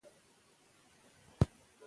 خلک مشورې ترلاسه کړې دي.